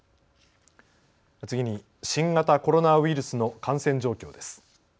次に新型コロナウイルスの感染状況です。